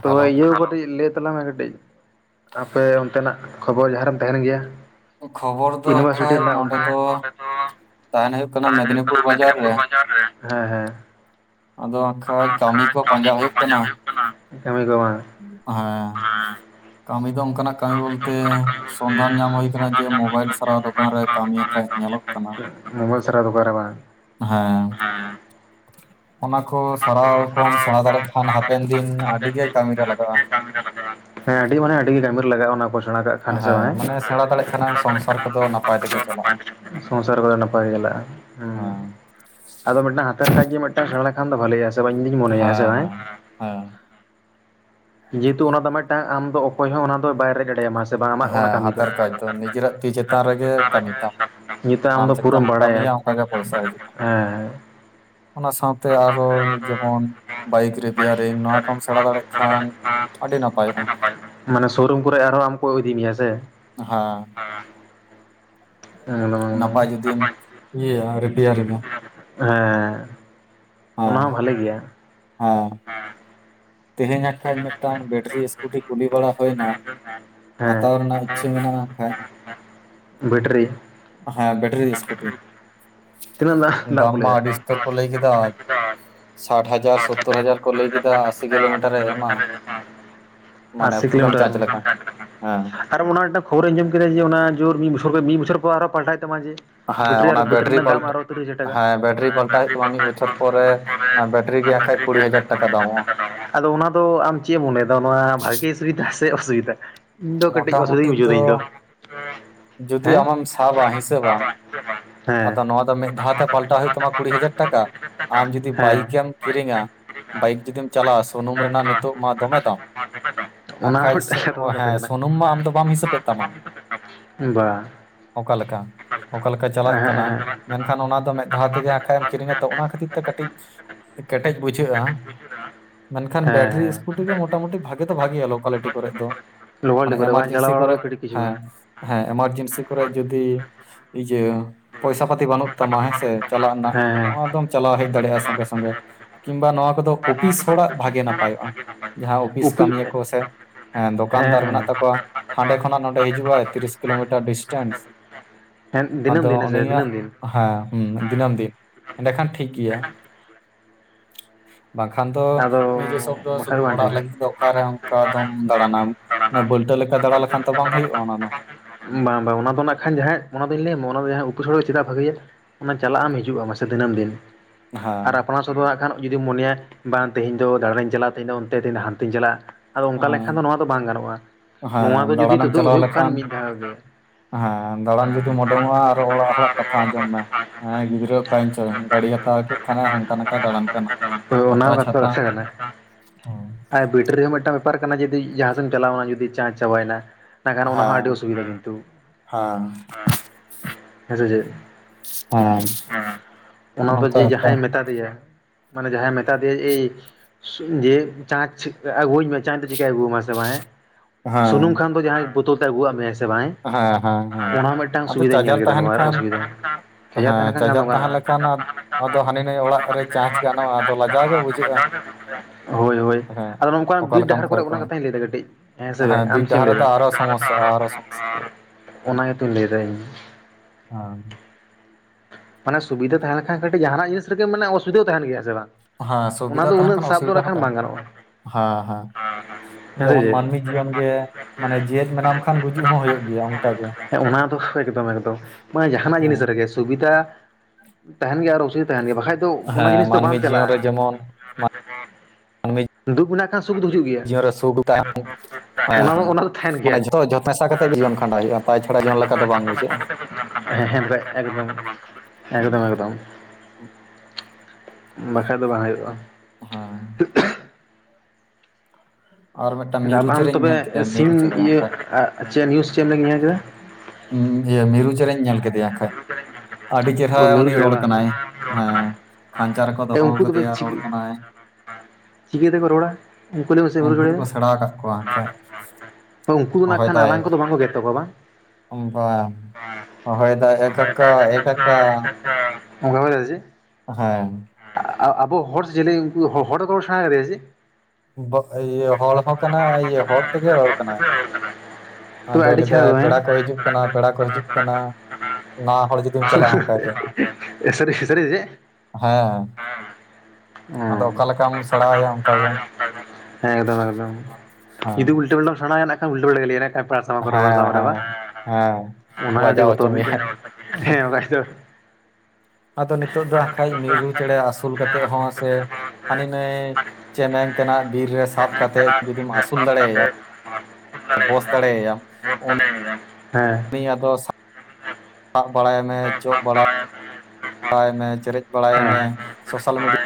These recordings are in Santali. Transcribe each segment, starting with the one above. ᱛᱚᱵᱮ ᱦᱮᱞᱳ ᱤᱭᱟᱹ ᱠᱟᱹᱴᱤᱡ ᱞᱟᱹᱭ- ᱛᱟᱞᱟᱝ ᱢᱮ ᱠᱟᱹᱴᱤᱡ ᱟᱯᱮ ᱚᱱᱛᱮᱱᱟᱜ ᱠᱷᱚᱵᱚᱨ ᱡᱟᱦᱟᱸᱨᱮᱢ ᱛᱟᱦᱮᱱ ᱜᱮᱭᱟ᱾ ᱠᱷᱚᱵᱚᱨ ᱫᱚ ᱤᱭᱩᱱᱤᱵᱟᱨᱥᱤᱴᱤ ᱠᱷᱟᱡ ᱱᱚᱰᱮ ᱫᱚ [unintelligible] ᱚᱱ- ᱛᱟᱦᱮᱱ ᱛᱟᱦᱮᱱ ᱫᱚ ᱦᱩᱭᱩᱜ ᱠᱟᱱᱟ ᱢᱮᱫᱽᱱᱤᱯᱩᱨ ᱵᱟᱡᱟᱨ ᱨᱮ᱾ ᱟᱫᱚ ᱟᱠᱷᱟᱡ ᱠᱟᱹᱢᱤ ᱠᱚ ᱯᱟᱸᱡᱟ ᱦᱩᱭᱩᱜ ᱠᱟᱱᱟ᱾ ᱠᱟᱹᱢᱤ ᱠᱚ ᱵᱟᱝ ᱟᱦᱮᱸ ᱠᱟᱹᱢᱤ ᱫᱚ ᱚᱝᱠᱟᱱᱟᱜ- ᱠᱟᱹᱢᱤ ᱵᱚᱞᱛᱮ ᱥᱚᱱᱫᱷᱟᱱ ᱧᱟᱢ ᱦᱩᱭ ᱠᱟᱱᱟ ᱡᱮ ᱢᱳᱵᱟᱭᱤᱞ ᱥᱟᱨᱟᱣ ᱫᱚᱠᱟᱱ ᱨᱮ ᱠᱟᱹᱢᱤ ᱟᱠᱷᱟᱡ ᱧᱮᱞᱚᱜ ᱠᱟᱱᱟ᱾ ᱢᱳᱵᱟᱭᱤᱞ ᱥᱟᱨᱣᱟ ᱫᱚᱠᱟᱱ ᱨᱮ ᱵᱟᱝ᱾ ᱦᱮᱸ ᱦᱮᱸ᱾ ᱚᱱᱟ ᱠᱚ ᱥᱮᱨᱟᱢ ᱠᱚᱢ ᱥᱮᱬᱟ ᱫᱟᱲᱮ ᱠᱮ ᱠᱷᱟᱱ ᱦᱟᱯᱮᱱ ᱫᱤᱱ ᱟᱹᱰᱮ ᱜᱮ ᱠᱟᱹᱢᱤ ᱨᱮ ᱞᱟᱜᱟᱜᱼᱟ᱾ ᱦᱮᱸ ᱟᱹᱰᱤ ᱢᱟᱱᱮ ᱟᱹᱰᱤ ᱜᱮ ᱠᱟᱹᱢᱤ ᱨᱮ ᱞᱟᱜᱟᱜᱼᱟ ᱚᱱᱟ ᱠᱚᱥ᱾ ᱦᱮᱸ ᱢᱟᱱᱮ ᱥᱮᱬᱟ ᱫᱟᱲᱮᱭᱟᱜ ᱠᱷᱟᱱ ᱮᱢ ᱥᱚᱝᱥᱟᱨ ᱠᱚᱫᱚ ᱱᱟᱯᱟᱭ ᱛᱮᱜᱮ ᱪᱟᱞᱟᱜᱼᱟ᱾ ᱥᱚᱝᱥᱟᱨ ᱠᱚᱨᱮ ᱱᱟᱯᱟᱭ ᱪᱟᱞᱟᱜᱼᱟ ᱦᱮᱸ᱾ ᱟᱫᱚ ᱢᱤᱫᱴᱟᱝ ᱦᱟᱛᱮᱨ ᱠᱟᱡ ᱜᱮ ᱢᱤᱫᱴᱟᱝ ᱥᱮᱬᱟ ᱞᱮ ᱠᱷᱟᱱ ᱫᱚ ᱵᱟᱹᱞᱮᱭᱟ ᱥᱮᱜ᱾ ᱦᱟᱸ ᱦᱟᱸ ᱦᱟᱸ ᱡᱮᱦᱮᱛᱩ ᱚᱱᱟ ᱫᱚ ᱢᱤᱫᱴᱟᱝ ᱟᱢ ᱫᱚ ᱚᱠᱚᱭ ᱦᱚᱸ ᱚᱱᱟ ᱫᱚ ᱵᱟᱭ ᱨᱮᱡ ᱫᱟᱲᱮᱭᱟᱢᱟ ᱥᱮ ᱵᱟᱝ ᱟᱢᱟᱜ ᱚᱱᱟ ᱦᱮᱸ ᱠᱟᱹᱢᱤ ᱫᱚ ᱦᱟᱛᱮᱨ ᱠᱟᱡ ᱱᱤᱡᱮᱨᱟᱜ ᱛᱤ ᱪᱮᱛᱟᱱ ᱨᱮᱜᱮ ᱠᱟᱹᱢᱤ ᱛᱟᱢ ᱱᱤᱛᱚᱜ ᱟᱢ ᱫᱚ ᱪᱮᱫᱠᱟᱢ ᱯᱩᱨᱟᱹᱢ ᱵᱟᱲᱟᱭᱟ ᱠᱟᱹᱢᱤᱭᱟ ᱚᱱᱠᱟᱜᱮ ᱯᱚᱭᱥᱟ ᱦᱤᱡᱩᱜᱼᱟ ᱦᱮᱸ ᱚᱱᱟ ᱥᱟᱶᱛᱮ ᱛᱮ ᱟᱨᱦᱚᱸ ᱡᱮᱢᱚᱱ ᱵᱟᱭᱤᱠ ᱨᱤᱯᱮᱤᱭᱟᱨᱤᱝ ᱱᱚᱣᱟ ᱠᱚᱢ ᱥᱮᱬᱟ ᱫᱟᱲᱮᱜ ᱠᱷᱟᱱ ᱟᱹᱰᱤ ᱱᱟᱯᱟᱭᱚᱜᱼᱟ ᱢᱟᱱᱮ ᱥᱳᱨᱩᱢ ᱠᱚᱨᱮ ᱟᱨᱦᱚᱸ ᱟᱢ ᱠᱚ ᱤᱫᱤ ᱢᱮᱭᱟ ᱥᱮ ᱦᱟᱸ ᱦᱮᱸ [unintelligible] ᱱᱟᱯᱟᱭ ᱡᱩᱫᱤᱢ ᱤᱭᱟᱹᱭᱟ ᱨᱤ ᱦᱮᱸ ᱚᱱᱟ ᱦᱮᱸ ᱦᱚᱸ ᱵᱷᱟᱞᱤ ᱜᱮᱭᱟ ᱦᱮᱸ ᱦᱮᱸ ᱛᱮᱦᱮᱧ ᱟᱠᱷᱟᱡ ᱢᱤᱫᱴᱟᱝ ᱵᱮᱴᱨᱤ ᱥᱠᱩᱴᱤ ᱠᱩᱞᱤ ᱵᱟᱲᱟ ᱦᱩᱭᱱᱟ᱾ [inaudible] ᱦᱟᱛᱟᱣ ᱨᱮᱱᱟᱜ ᱤᱪᱪᱷᱟᱹ ᱢᱮᱱᱟᱜᱼᱟ ᱟᱠᱷᱟᱡ᱾ ᱵᱮᱴᱨᱤ ᱦᱮᱸ ᱵᱮᱴᱨᱤ ᱥᱤᱥᱠᱩᱴᱤ ᱛᱤᱱᱟᱹᱜ ᱫᱟᱢ ᱠᱚ ᱢᱟ ᱞᱟᱹᱭᱟ ᱟᱹᱰᱤ ᱩᱥᱛᱟᱹᱨ ᱠᱚ ᱞᱟᱹᱭ ᱠᱮᱫᱟ᱾ ᱥᱟᱴ ᱦᱟᱡᱟᱨ ᱥᱳᱛᱛᱚᱨ ᱦᱟᱡᱟᱨ ᱠᱚ ᱞᱟᱹᱭ ᱠᱮᱫᱟ᱾ ᱠᱤᱞᱳᱢᱤᱴᱟᱨ ᱨᱮ ᱮᱢᱟ ᱢᱟᱱᱮ ᱯᱷᱩᱞᱮᱢ ᱪᱟᱸᱡ ᱞᱮᱠᱷᱟᱱ ᱦᱮᱸ᱾ ᱟᱨᱚ ᱚᱱᱟ ᱢᱤᱫᱴᱟᱝ ᱠᱷᱚᱵᱚᱨᱤᱧᱡᱚᱢ ᱠᱮᱫᱟ ᱡᱮ, ᱚᱱᱟ ᱡᱚᱨ ᱢᱤᱫ ᱵᱚᱪᱷᱚᱨ ᱜᱮ ᱢᱤᱫ ᱵᱚᱪᱷᱚᱨ ᱯᱚᱨ ᱟᱨᱦᱚ ᱯᱟᱞᱴᱟᱭ ᱛᱟᱢᱟ ᱡᱮ ᱦᱮᱸ ᱵᱮᱴᱨᱤ ᱚᱱᱟ ᱟᱨᱚ ᱵᱮᱴᱨᱤ ᱨᱮᱱᱟᱜ ᱫᱟᱢ ᱯᱟᱞᱴᱟ ᱟᱨᱦᱚ ᱛᱤᱱᱟᱹᱜ ᱥᱮᱴᱮᱨᱟ [unintelligible] ᱦᱮᱸ ᱵᱮᱴᱨᱤ ᱯᱟᱞᱴᱟᱣ ᱦᱩᱭᱩᱜ ᱛᱟᱢᱟ ᱢᱤᱫ ᱵᱚᱪᱷᱚᱨ ᱯᱚᱨᱮ ᱚᱱᱟ ᱵᱮᱴᱨᱤ ᱜᱮ ᱦᱟᱸᱜ ᱠᱷᱟᱡ ᱠᱩᱲᱤ ᱦᱟᱡᱟᱨ ᱴᱟᱠᱟ ᱫᱟᱢᱚᱜᱼᱟ [unintelligible] ᱟᱫᱚ ᱚᱱᱟ ᱫᱚ ᱟᱢ ᱪᱮᱢ ᱢᱚᱱᱮᱭᱫᱟ ᱱᱚᱣᱟ ᱵᱷᱟᱜᱤ ᱥᱩᱵᱤᱫᱷᱟ ᱥᱮ ᱚᱥᱩᱵᱤᱫᱷᱟ? ᱤᱧ ᱫᱚ ᱠᱟᱹᱴᱤᱡ ᱚᱥᱩᱵᱤᱫᱷᱟᱧ ᱵᱩᱡᱷᱟᱹᱣ ᱫᱟ ᱤᱧ ᱫᱚ᱾ ᱡᱩᱫᱤ ᱦᱮᱸ ᱟᱢᱟᱢ ᱥᱟᱵᱼᱟ ᱦᱤᱥᱟᱹᱵ ᱦᱮᱸ ᱵᱟᱝ ᱪᱚ ᱵᱟᱝ᱾ ᱟᱫᱚ ᱱᱚᱣᱟ ᱫᱚ ᱢᱤᱫ ᱫᱷᱟᱣ ᱛᱮ ᱯᱟᱞᱴᱟᱣ ᱦᱩᱭᱩᱜ ᱛᱟᱢᱟ ᱠᱩᱲᱤ ᱦᱟᱡᱟᱨ ᱴᱟᱠᱟ᱾ ᱟᱢ ᱡᱩᱫᱤ ᱦᱮᱸ ᱵᱟᱭᱤᱠᱮᱢ ᱠᱤᱨᱤᱧᱟ᱾ ᱵᱟᱭᱤᱠ ᱡᱩᱫᱤᱢ ᱪᱟᱞᱟᱣᱼᱟ ᱥᱩᱱᱩᱢ ᱨᱮᱱᱟᱜ ᱱᱤᱛᱚᱜ ᱢᱟ ᱫᱚᱢᱮ ᱫᱟᱢ᱾ ᱚᱱᱟ ᱟᱠᱷᱟᱡ ᱦᱚᱸ ᱥᱩ ᱥᱟᱛᱟᱢ ᱠᱟᱛᱷᱟ ᱦᱮᱸ ᱠᱟᱱᱟ ᱥᱩᱱᱩᱢ ᱢᱟ ᱟᱢ ᱫᱚ ᱵᱟᱢ ᱦᱤᱥᱟᱹᱵᱮᱫ ᱛᱟᱢᱟ᱾ ᱵᱟ ᱚᱠᱟᱞᱮᱠᱟ? ᱚᱠᱟ ᱞᱮᱠᱟ ᱪᱟᱞᱟᱜ ᱮᱦᱮᱸᱜ ᱠᱟᱱᱟ ᱮᱦᱮᱸᱜ ᱢᱮᱱᱠᱷᱟᱱ ᱚᱱᱟ ᱫᱚ ᱢᱤᱫ ᱫᱷᱟᱣ ᱛᱮᱜᱮ ᱦᱟᱸᱠᱷᱟᱡ ᱮᱢ ᱠᱤᱨᱤᱧᱟ ᱛᱚ ᱚᱱᱟ ᱠᱷᱟᱹᱛᱤᱨ ᱛᱮ ᱠᱟᱹᱴᱤᱡ ᱠᱮᱴᱮᱡ ᱵᱩᱡᱷᱟᱹᱜᱼᱟ᱾ ᱢᱮᱱᱠᱷᱟᱱ ᱦᱮᱸ ᱵᱮᱴᱨᱤ ᱦᱮᱸ ᱤᱥᱠᱩᱴᱤ ᱜᱮ ᱢᱚᱴᱟᱢᱩᱴᱤ ᱵᱷᱟᱜᱮ ᱫᱚ ᱵᱷᱟᱜᱮᱭᱟ ᱞᱳᱠᱟᱞᱤᱴᱤ ᱠᱚᱨᱮᱜ ᱫᱚ᱾ ᱢᱟᱱᱮ ᱞᱳᱣᱟᱞᱰᱤ ᱠᱚᱨᱮ ᱵᱟᱝ ᱪᱟᱞᱟᱣ ᱮᱢᱟᱨᱡᱤᱱᱥᱤ ᱵᱟᱲᱟ ᱫᱚ ᱠᱚᱨᱮᱜ ᱠᱟᱹᱴᱤᱡ ᱠᱤᱪᱷᱩ ᱦᱮᱸ ᱦᱮᱸ ᱮᱢᱟᱨᱡᱤᱱᱥᱤ ᱠᱚᱨᱮᱜ ᱡᱩᱫᱤ ᱤᱭᱟᱹ ᱯᱚᱭᱥᱟ ᱯᱟᱛᱤ ᱵᱟᱹᱱᱩᱜ ᱛᱟᱢᱟ ᱦᱮᱸ ᱥᱮ ᱪᱟᱞᱟᱜ ᱨᱮᱱᱟᱜ, ᱦᱮᱸ ᱦᱮᱸ ᱚᱱᱟ ᱫᱚᱢ ᱪᱟᱞᱟᱣ ᱦᱮᱡ ᱫᱟᱲᱮᱭᱟᱜᱼᱟ ᱥᱚᱝᱜᱮ ᱥᱚᱝᱜᱮ᱾ ᱠᱤᱝᱵᱟ ᱱᱚᱣᱟ ᱠᱚᱫᱚ ᱚᱯᱤᱥ ᱦᱚᱲᱟᱜ ᱵᱷᱟᱜᱮ ᱱᱟᱯᱟᱭᱚᱜᱼᱟ᱾ ᱡᱟᱦᱟᱸ ᱚᱯᱤᱥ ᱩᱯᱤ ᱠᱟᱹᱢᱤᱭᱟ ᱠᱚ ᱥᱮ ᱦᱮᱸ ᱫᱚᱠᱟᱱᱫᱟᱨ ᱢᱮᱱᱟᱜ ᱛᱟᱠᱚᱣᱟ, ᱦᱟᱸᱰᱮ ᱠᱷᱚᱱᱟᱜ ᱱᱚᱸᱰᱮ ᱦᱤᱡᱩᱜᱼᱟᱭ ᱛᱤᱨᱤᱥ ᱠᱤᱞᱳᱢᱤᱴᱟᱨ ᱰᱤᱥᱴᱮᱱᱥ ᱦᱮᱸ ᱫᱤᱱᱟᱹᱢ ᱟᱫᱚ ᱫᱤᱱ ᱦᱮᱸᱥᱮ ᱩᱱᱤᱭᱟᱜ ᱫᱤᱱᱟᱹᱢ ᱫᱤᱱ ᱦᱮᱸ ᱦᱩᱸ ᱫᱤᱱᱟᱹᱢ ᱫᱤᱱ ᱮᱸᱰᱮᱠᱷᱟᱱ ᱴᱷᱤᱠ ᱜᱮᱭᱟ᱾ ᱵᱟᱝᱠᱷᱟᱱ ᱫᱚ ᱟᱫᱚ ᱱᱤᱡᱮ ᱥᱚᱵᱫᱚ ᱵᱟᱠᱷᱟᱡ ᱥᱩᱫᱷᱩ ᱫᱚ ᱵᱟᱝ ᱚᱲᱟᱜ ᱴᱷᱤᱠ ᱞᱟᱹᱜᱤᱫ ᱫᱚ ᱚᱠᱟᱨᱮᱦᱚᱢ ᱠᱟ ᱫᱚᱢ ᱫᱟᱬᱟᱱᱟᱢ ᱵᱟᱹᱞᱴᱟᱹ ᱞᱮᱠᱟ ᱫᱟᱬᱟ ᱞᱮᱠᱷᱟᱱ ᱛᱚ ᱵᱟᱝ ᱦᱩᱭᱩᱜᱼᱟ ᱚᱱᱟ ᱫᱚ᱾ ᱵᱟᱝ ᱵᱟᱝ ᱚᱱᱟ ᱫᱚ ᱱᱟᱜ ᱠᱷᱟᱱ ᱡᱟᱦᱟᱸ ᱚᱱᱟ ᱫᱚᱧ ᱞᱟᱹᱭᱟ ᱚᱱᱟ ᱫᱚ ᱩᱛᱟᱹᱨᱟᱹᱣ ᱪᱮᱫᱟᱜ ᱵᱷᱟᱜᱤᱭᱟ? ᱚᱱᱟ ᱪᱟᱞᱟᱜ ᱟᱢ ᱦᱤᱡᱩᱜᱼᱟᱢ ᱢᱟᱥᱮ ᱫᱤᱱᱟᱹᱢ ᱫᱤᱱ ᱦᱮᱸ ᱟᱨ ᱟᱯᱱᱟᱨ ᱠᱚᱫᱚ ᱦᱟᱸᱜ ᱠᱷᱟᱱ ᱡᱩᱫᱤᱢ ᱢᱚᱱᱮᱭᱟ ᱵᱟᱝ ᱛᱮᱦᱮᱧ ᱫᱚ ᱫᱬᱟᱱᱤᱧ ᱪᱟᱞᱟᱜᱼᱟ, ᱛᱮᱦᱮᱧ ᱫᱚ ᱚᱱᱛᱮ ᱛᱮᱦᱮᱧ ᱫᱚ ᱦᱟᱱᱛᱮᱧ ᱪᱟᱞᱟᱜᱼᱟ ᱟᱫᱚ ᱚᱝᱠᱟ ᱦᱮᱸ ᱞᱮᱠᱷᱟᱱ ᱫᱚ ᱱᱚᱣᱟ ᱫᱚ ᱵᱟᱝ ᱜᱟᱱᱚᱜᱼᱟ, ᱱᱚᱣᱟ ᱫᱚ ᱦᱮᱸ ᱡᱩᱫᱤ ᱫᱟᱬᱟᱱᱮᱢ ᱛᱩᱫᱩᱜ ᱪᱟᱞᱟᱣ ᱦᱩᱭᱩᱜ ᱠᱷᱟᱱ ᱞᱮᱠᱷᱟᱱ ᱢᱤᱫ ᱫᱷᱟᱣ ᱜᱮ᱾ ᱦᱮᱸ ᱫᱟᱬᱟᱱ ᱡᱩᱫᱤᱢ ᱚᱰᱚᱝᱚᱜᱼᱟ ᱟᱨᱦᱚᱸ ᱚᱲᱟᱜ ᱦᱚᱲᱟᱜ ᱠᱟᱛᱷᱟ ᱟᱸᱡᱚᱢ ᱢᱮ ᱦᱮᱸ ᱜᱤᱫᱽᱨᱟᱹ ᱚᱠᱟᱭᱮᱱ ᱪᱚᱭ, ᱜᱟᱹᱲᱤ ᱦᱟᱛᱟᱣ ᱠᱮᱫ ᱠᱟᱱᱟᱭ ᱦᱟᱱᱠᱟ ᱱᱟᱠᱟᱭ ᱫᱟᱲᱟᱱ ᱠᱟᱱᱟ ᱦᱳᱭ ᱚᱱᱟ ᱯᱟᱛᱟ ᱦᱚᱸ ᱠᱟᱛᱷᱟ ᱫᱚ ᱪᱷᱟᱛᱟ ᱠᱟᱛᱷᱟ ᱠᱟᱱᱟ ᱦᱩᱸ᱾ ᱟᱨ ᱵᱮᱴᱨᱤ ᱦᱚᱸ ᱢᱤᱫᱴᱟᱝ ᱵᱮᱯᱟᱨ ᱠᱟᱱᱟ ᱡᱩᱫᱤ ᱡᱟᱦᱟᱸᱥᱮᱫᱮᱢ ᱪᱟᱞᱟᱣ ᱠᱟᱱᱟ ᱡᱩᱫᱤ ᱪᱟᱨᱡᱽ ᱪᱟᱵᱟᱭᱱᱟ᱾ ᱱᱟᱠᱷᱟᱱ ᱚᱱᱟ ᱦᱚᱸ ᱟᱹᱰᱤ ᱦᱮᱸ ᱚᱥᱩᱵᱤᱫᱷᱟ ᱠᱤᱱᱛᱩ ᱦᱮᱸ ᱦᱮᱸᱥᱮᱪᱮᱫ᱾ ᱦᱮᱸ ᱦᱮᱸ ᱚᱱᱟ ᱫᱚ ᱚᱱᱠᱟ ᱡᱮ ᱡᱟᱦᱟᱸᱭ ᱵᱮᱯᱟᱨ ᱢᱮᱛᱟ ᱫᱮᱭᱟ ᱢᱟᱱᱮ ᱡᱟᱦᱟᱸ ᱢᱮᱛᱟ ᱮᱭ ᱡᱮ ᱪᱟᱸᱪ ᱟᱹᱜᱩᱟᱹᱧ ᱢᱮ ᱪᱟᱸᱪ ᱫᱚ ᱪᱤᱠᱟᱭ ᱟᱹᱜᱩ ᱣᱟᱢᱟ ᱥᱮ ᱵᱟᱝ ᱦᱮᱸ ᱦᱮᱸ ᱥᱩᱱᱩᱢ ᱠᱷᱟᱱ ᱫᱚ ᱡᱟᱦᱟᱸᱭ ᱵᱳᱛᱚᱞ ᱛᱮ ᱟᱹᱜᱩᱣᱟᱜ ᱢᱮᱭᱟᱭ ᱥᱮ ᱵᱟᱝ ᱦᱮᱸ ᱦᱮᱸ ᱦᱮᱸ ᱚᱱᱟ ᱦᱚᱸ ᱢᱤᱫᱴᱟᱝ ᱟᱫᱚ ᱥᱩᱵᱤᱫᱟᱧ ᱪᱟᱨᱡᱟᱨ ᱧᱮᱞ ᱠᱮᱫᱟ ᱛᱟᱦᱮᱱ ᱱᱚᱣᱟ ᱨᱮ ᱠᱷᱟᱱ ᱚᱥᱩᱵᱤᱫᱟ ᱪᱟᱡᱟᱨ ᱦᱮᱸ ᱛᱟᱦᱮᱱ ᱠᱟᱱ ᱜᱟᱱ ᱪᱟᱨᱡᱟᱨ ᱫᱚ ᱛᱟᱦᱮᱸ ᱜᱟᱱᱚᱜᱼᱟ᱾ ᱞᱮᱠᱷᱟᱱ ᱪᱟᱡᱟᱨ ᱛᱟᱦᱮ ᱞᱮᱱ ᱠᱷᱟᱱ ᱟᱫᱚ ᱦᱟᱹᱱᱤ ᱱᱟᱹᱭ ᱚᱲᱟᱜ ᱫᱚ ᱨᱮ ᱪᱟᱨᱡᱽ ᱜᱟᱱᱚᱜᱼᱟ ᱟᱫᱚ ᱞᱟᱡᱟᱣ ᱜᱮ ᱟᱫᱚ ᱵᱩᱡᱷᱟᱹᱜᱼᱟ [unintelligible] ᱦᱳᱭ ᱦᱳᱭ᱾ ᱦᱮᱸ ᱟᱫᱚ ᱱᱚᱝᱠᱟ ᱚᱠᱟ ᱵᱤᱨ ᱞᱮᱠᱟᱢ ᱰᱟᱦᱟᱨ ᱠᱷᱚᱭ ᱠᱚᱨᱮᱜ ᱚᱱᱟ ᱠᱚᱣᱟ ᱠᱟᱛᱷᱟᱧ ᱞᱟᱹᱭᱫᱟ ᱠᱟᱹᱴᱤᱡ ᱦᱮᱸ ᱥᱮ [unintelligible] ᱵᱤᱨ ᱟᱢ ᱪᱮᱫ ᱮᱢ ᱰᱟᱦᱟᱨ ᱨᱮᱫᱚ ᱞᱟᱹᱭᱫᱟ ᱟᱨᱚ ᱛᱟᱦᱞᱮ ᱛᱚ ᱥᱚᱢᱚᱥᱥᱟ ᱟᱨᱚ ᱥᱚᱢᱚᱥᱥᱟ ᱥᱚᱢᱚᱥᱟᱜᱼᱟ᱾ ᱚᱱᱟ ᱜᱮᱛᱤᱚᱧ ᱞᱟᱹᱭᱫᱟ ᱤᱧ᱾ ᱦᱮᱸ ᱢᱟᱱᱮ ᱥᱩᱵᱤᱫᱷᱟ ᱛᱟᱦᱮᱸ ᱞᱮᱠᱷᱟᱱ ᱠᱟᱴᱤᱡ ᱡᱟᱦᱟᱱᱟᱜ ᱡᱤᱱᱤᱥ ᱨᱮᱜᱮ ᱢᱟᱱᱮ ᱚᱥᱩᱵᱤᱫᱷᱟ ᱫᱚ ᱛᱟᱦᱮᱱ ᱜᱮᱭᱟ ᱥᱮ ᱵᱟᱝ᱾ ᱦᱮᱸ ᱚᱱᱟ ᱥᱩᱵᱤᱫᱟ ᱫᱚ ᱛᱟᱦᱮᱸᱱ ᱩᱱᱟᱹᱜ ᱠᱷᱟᱱ ᱥᱟᱵ ᱫᱚ ᱚᱥᱩᱵᱤᱫᱟ ᱦᱚᱸ ᱛᱟᱦᱮᱱᱟ, ᱦᱮᱸ ᱦᱮᱸ᱾ ᱥᱟᱨᱤ ᱡᱮᱢᱚᱱ ᱜᱮ [inaudible] ᱢᱟᱹᱱᱢᱤ ᱡᱤᱭᱚᱱ ᱜᱮ ᱢᱟᱱᱮ ᱡᱮᱣᱮᱫ ᱢᱮᱱᱟᱢ ᱠᱷᱟᱱ ᱜᱩᱡᱩᱜ ᱦᱚᱸ ᱦᱩᱭᱩᱜ ᱜᱮᱭᱟ ᱚᱱᱠᱟᱜᱮ ᱦᱮᱸ ᱚᱱᱟ ᱫᱚ ᱮᱠᱫᱚᱢ ᱮᱠᱫᱚᱢ ᱢᱟᱱᱮ ᱡᱟᱦᱟᱱᱟᱜ ᱡᱤᱱᱤᱥ ᱦᱮᱸ ᱨᱮᱜᱮ ᱥᱩᱵᱤᱫᱟ ᱛᱟᱦᱮᱱ ᱜᱮᱭᱟ ᱟᱨ ᱚᱥᱩᱵᱤ ᱛᱟᱦᱮᱱ ᱜᱮᱭᱟ ᱵᱟᱠᱷᱟ ᱫᱚ ᱚᱱᱟ ᱦᱮᱸ ᱡᱤᱱᱤᱥ ᱫᱚ ᱢᱟᱹᱱᱢᱤ ᱵᱟᱝ ᱡᱤᱭᱚᱱ ᱨᱮ ᱪᱟᱞᱟᱜᱼᱟ᱾ ᱡᱮᱢᱚᱱ ᱢᱟᱹᱱᱢᱤ [inaudible] ᱫᱩᱜ ᱢᱮᱱᱟᱜ ᱠᱷᱟᱱ ᱥᱩᱠ ᱫᱚ ᱦᱤᱡᱩᱜ ᱜᱮᱭᱟ ᱡᱤᱭᱚᱱ ᱨᱮ ᱥᱩᱠ ᱛᱟᱦᱮᱱ ᱦᱮᱸ ᱚᱱᱟ ᱫᱚ ᱦᱮᱸ ᱚᱱᱟ ᱫᱚ ᱛᱟᱦᱮᱱ ᱢᱟᱱᱮ ᱜᱮᱭᱟ ᱡᱷᱚᱛᱚ ᱡᱷᱚᱛᱚ ᱦᱟᱥᱟ ᱠᱟᱛᱮ ᱡᱤᱭᱚᱱ ᱠᱷᱟᱸᱰᱟᱣ ᱦᱩᱭᱩᱜᱼᱟ᱾ ᱛᱟ ᱪᱷᱟᱲᱟ ᱡᱤᱭᱚᱱ ᱞᱮᱠᱟ ᱫᱚ ᱵᱟᱝ ᱵᱩᱡᱷᱟᱹᱜᱼᱟ᱾ ᱦᱮᱸ ᱦᱮᱸ, ᱮᱠᱫᱚᱢ ᱮᱠᱫᱚᱢ ᱾ ᱮᱠᱫᱚᱢ ᱮᱠᱫᱚᱢ ᱵᱟᱠᱷᱟ ᱫᱚ ᱵᱟᱝ ᱦᱩᱭᱩᱜᱼᱟ᱾ ᱦᱮᱸ᱾ [inaudible] ᱟᱨ ᱢᱮᱜᱴᱟᱝ ᱢᱤᱨᱩ ᱟᱢ ᱟᱢ ᱪᱮᱨᱮᱧ ᱧᱮᱞ ᱛᱚᱵᱮ ᱠᱮᱫᱮᱭᱟ ᱢᱤᱨᱩ ᱥᱤᱢ ᱪᱮᱬᱮ ᱟᱝ ᱤᱭᱟᱹ ᱠᱷᱟ ᱪᱮᱫ ᱱᱤᱭᱩᱡ ᱪᱮᱫ ᱮᱢ ᱞᱟᱹᱭ ᱧᱮᱞ ᱠᱮᱫᱟ ᱩᱸ ᱦᱤᱭᱟᱹ ᱢᱤᱨᱩ ᱪᱮᱬᱮᱧ ᱧᱮᱞ ᱠᱮᱫᱮᱭᱟ ᱠᱷᱟᱡ ᱟᱹᱰᱤ ᱪᱮᱨᱦᱟ ᱚ ᱢᱤᱨᱩ ᱩᱱᱤᱭ ᱪᱮᱬᱮ ᱨᱚᱲ ᱵᱟᱝ ᱠᱟᱱᱟᱭ, ᱦᱮᱸ ᱠᱷᱟᱧᱪᱟ ᱨᱮᱠᱚ ᱫᱚᱦᱚᱣ ᱩᱱᱠᱩ ᱫᱚ ᱠᱟᱫᱮᱭᱟ ᱨᱚᱲ ᱠᱟᱱᱟᱭ᱾ ᱪᱤᱠᱟᱹ ᱛᱮᱠᱚ ᱨᱚᱲᱟ? ᱩᱱᱠᱩ ᱞᱟᱹᱭ ᱢᱮᱥᱮ ᱢᱤᱨᱩ ᱩᱝᱠᱩ ᱫᱩᱠᱩ ᱪᱮᱬᱮ ᱥᱮᱬᱟᱣ ᱠᱚᱣᱟ ᱦᱟᱝᱠᱷᱟᱡ᱾ ᱩᱱᱠᱩ ᱫᱚ ᱱᱟᱜ ᱠᱷᱟᱱ ᱟᱞᱟᱝ ᱠᱚᱫᱚ ᱵᱟᱝ ᱠᱚ ᱜᱮᱫ ᱛᱟᱠᱚᱣᱟ ᱵᱟᱝ᱾ ᱵᱟᱝ ᱦᱚᱼᱦᱚᱭ ᱫᱟᱭ ᱮ ᱠᱟᱠᱟ ᱮ ᱠᱟ ᱠᱟᱠᱟ ᱮ ᱠᱟᱠᱟ, ᱚᱝᱠᱟ ᱦᱚᱭ ᱫᱟᱭ ᱥᱮᱪᱤᱜ᱾ ᱦᱮᱸ᱾ ᱟᱵᱚ ᱦᱚᱲ ᱥᱮ ᱪᱮᱞᱮ ᱩᱱᱠᱩ ᱫᱚ ᱦᱚᱲ ᱛᱮᱠᱚ ᱨᱚᱲ ᱥᱮᱬᱟ ᱟᱠᱟᱫᱮᱭᱟ ᱥᱮ ᱪᱮᱫ? ᱵᱚ-ᱤᱭᱟᱹ ᱦᱚᱲ ᱦᱚᱸ ᱠᱟᱱᱟᱭ ᱤᱭᱟᱹ ᱦᱚᱲ ᱛᱮᱜᱮ ᱨᱚᱲ ᱠᱟᱱᱟᱭ᱾ ᱛᱚᱵᱮ ᱟᱫᱚ ᱟᱹᱰᱤ ᱞᱟᱹᱭᱫᱟᱭ, ᱪᱮᱦᱨᱟ ᱨᱚᱲ ᱯᱮᱲᱟ ᱠᱚ ᱦᱤᱡᱩᱜ ᱠᱟᱱᱟ᱾ ᱯᱮᱲᱟ ᱠᱚ ᱦᱤᱡᱩᱜ ᱠᱟᱱᱟ᱾ [inaudible] ᱱᱟᱣᱟ ᱦᱚᱲ ᱡᱩᱫᱤᱢ ᱪᱟᱞᱟᱜᱼᱟ ᱚᱱᱠᱟᱭ ᱞᱟᱹᱭᱟ ᱥᱟᱹᱨ ᱥᱮ ᱪᱮᱫ? ᱦᱮᱸ, ᱟᱫᱚ ᱚᱸ ᱚᱠᱟ ᱞᱮᱠᱟᱢ ᱥᱮᱬᱟᱣ ᱟᱭᱟ ᱚᱱᱠᱟ ᱜᱮ᱾ ᱦᱮᱸ ᱮᱠᱫᱚᱢ ᱮᱠᱫᱚᱢ ᱾ ᱦᱮᱸ ᱡᱤᱫᱤ ᱩᱞᱴᱟᱹ ᱯᱟᱞᱴᱟᱢ ᱥᱮᱬᱟ ᱟᱭᱟ ᱱᱟᱜ ᱠᱷᱟᱱ ᱩᱞᱴᱟᱹ ᱯᱟᱞᱴᱟᱭ ᱞᱟᱹᱭᱟ ᱱᱟᱜ ᱠᱷᱟ [unintelligible] ᱦᱚᱲ ᱦᱮᱸ ᱥᱟᱢᱟᱝ ᱨᱮ ᱦᱮᱸ ᱵᱟᱝ, ᱦᱮᱸ ᱚᱱᱟ ᱟᱹᱰᱤ ᱞᱟᱡᱟᱣ ᱦᱚᱪᱚ ᱵᱚᱛᱚᱨ ᱟᱱᱤᱡ ᱜᱮ, ᱢᱮᱭᱟᱭ ᱦᱮᱸ ᱵᱟᱠᱷᱟᱡ ᱫᱚ ᱾ ᱟᱫᱚ ᱱᱤᱛᱚᱜ ᱫᱚ ᱦᱟᱸᱠᱷᱟᱡ ᱢᱤᱨᱩ ᱪᱮᱬᱮ ᱟᱹᱥᱩᱞ ᱠᱟᱛᱮᱜ ᱦᱚᱸ ᱥᱮ ᱦᱟᱹᱱᱤ ᱱᱟᱹᱭ ᱪᱮᱢᱮᱧ ᱛᱮᱱᱟᱜ ᱵᱤᱨ ᱨᱮ ᱥᱟᱵ ᱠᱟᱛᱮᱫ ᱡᱩᱫᱤᱢ ᱟᱹᱥᱩᱞ ᱫᱟᱲᱮᱭᱟᱭᱟ᱾ ᱵᱚᱥ ᱫᱟᱲᱮᱭᱟᱢ [unintelligible] ᱦᱮᱸ᱾ ᱩᱱᱤ ᱟᱫᱚ ᱥᱟᱵ ᱵᱟᱲᱟᱭᱮᱢᱮ ᱪᱚᱜ ᱵᱟᱲᱟ ᱟᱭ ᱢᱮ ᱪᱮᱨᱮᱡ ᱦᱮᱸ ᱵᱟᱲᱟᱭᱮᱢᱮ ᱥᱳᱥᱟᱞ ᱢᱤᱰᱤ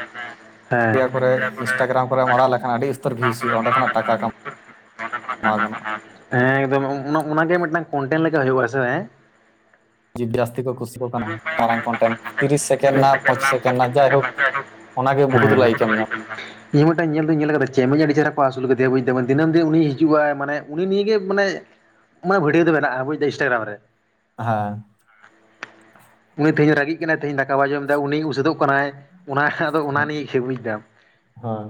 ᱦᱮᱸ ᱭᱟ ᱠᱚᱨᱮ ᱤᱥᱴᱟᱜᱨᱟᱢ ᱠᱚᱨᱮᱢ ᱟᱲᱟᱜ ᱞᱮᱠᱷᱟᱱ ᱟᱹᱰᱤ ᱩᱥᱛᱟᱨ ᱵᱷᱤᱭᱩᱥ ᱦᱩᱭᱩᱜᱼᱟ ᱚᱰᱮ ᱠᱷᱚ ᱴᱟᱠᱟ ᱠᱟ [unintelligible] ᱦᱮᱸ ᱮᱠᱫᱚᱢ ᱚᱱ-ᱚᱱᱟ-ᱚᱱᱟᱜᱮ ᱢᱤᱜᱴᱟᱝ ᱠᱚᱱᱴᱮᱱ ᱞᱮᱠᱟ ᱦᱩᱭᱩᱜᱼᱟ ᱥᱮ ᱮᱸ᱾ ᱡᱤᱵᱽ ᱡᱟᱹᱥᱛᱤ ᱠᱚ ᱠᱩᱥᱤᱭᱟ ᱠᱟᱱᱟ ᱢᱟᱨᱟᱝ ᱠᱚᱱᱴᱮᱱ ᱛᱤᱨᱤᱥ ᱥᱮᱠᱮᱱᱰ ᱨᱮᱱᱟᱜ ᱯᱚᱸᱪᱤᱥ ᱥᱮᱠᱮᱱᱰ ᱨᱮᱱᱟᱜ ᱡᱟᱭ ᱦᱳᱠ ᱚᱱᱟ ᱜᱮ ᱵᱚᱦᱩᱛ ᱞᱟᱭᱤᱠ ᱮᱢ ᱧᱟᱢ᱾ ᱦᱮᱸ ᱢᱤᱫᱴᱟᱝ ᱧᱮᱞ ᱫᱚᱧ ᱧᱮᱞ ᱟᱠᱟᱫᱟ ᱪᱮᱢᱮᱧ ᱟᱹᱰᱤ ᱪᱮᱦᱮᱨᱟ ᱠᱚ ᱟᱹᱥᱩᱞ ᱟᱠᱟᱫᱮᱭᱟ ᱵᱩᱡᱫᱟᱢ ᱟᱨ ᱫᱤᱱᱟᱹᱢ ᱜᱮ ᱩᱱᱤ ᱦᱤᱡᱩᱜᱼᱟ ᱢᱟᱱᱮ ᱩᱱᱤ ᱱᱤᱭᱟᱹ ᱜᱮ ᱢᱟᱱᱮ ᱚᱱᱟ ᱵᱷᱤᱰᱤᱭᱳ ᱫᱚ ᱵᱮᱱᱟᱜᱼᱟ ᱵᱩᱡᱽ ᱫᱟ ᱤᱱᱴᱟᱜᱨᱟᱢ ᱨᱮ᱾ ᱦᱮᱸ᱾ ᱩᱱᱤ ᱛᱮᱦᱤᱧ ᱨᱟᱹᱜᱤᱜ ᱠᱟᱱᱟᱭ, ᱛᱮᱦᱤᱧ ᱫᱟᱠᱟᱟᱭ ᱡᱚᱢᱫᱟ, ᱩᱱᱤᱭ ᱩᱥᱟᱹᱫᱚᱜ ᱠᱟᱱᱟᱭ᱾ ᱚᱱᱟ ᱟᱫᱚ ᱚᱱᱟ ᱱᱤᱭᱮ ᱵᱩᱡ ᱫᱟᱢ᱾ [inaudible] ᱦᱮᱸ